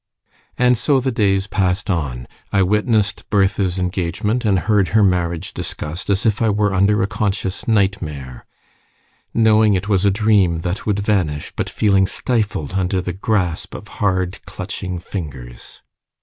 And so the days passed on: I witnessed Bertha's engagement and heard her marriage discussed as if I were under a conscious nightmare knowing it was a dream that would vanish, but feeling stifled under the grasp of hard clutching fingers.